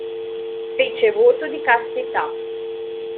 Fece voto di castità.